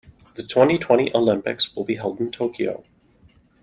The twenty-twenty Olympics will be held in Tokyo.